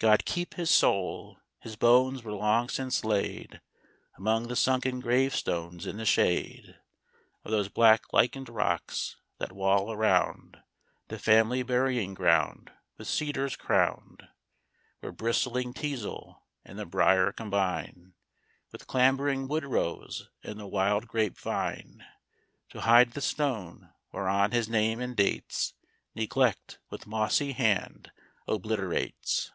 God keep his soul! his bones were long since laid Among the sunken gravestones in the shade Of those black lichened rocks, that wall around The family burying ground with cedars crowned; Where bristling teasel and the brier combine With clambering wood rose and the wild grape vine To hide the stone whereon his name and dates Neglect, with mossy hand, obliterates.